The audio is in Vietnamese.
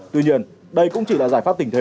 tuy nhiên đây cũng chỉ là giải pháp tình thế